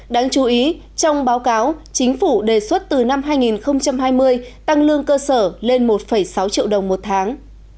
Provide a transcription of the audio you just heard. đáng chú ý trong báo cáo chính phủ đề xuất từ năm hai nghìn hai mươi tăng lương cơ sở lên một sáu triệu đồng một tháng